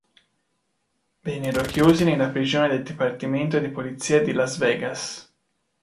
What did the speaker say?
Vennero chiusi nella prigione del dipartimento di polizia di Las Vegas.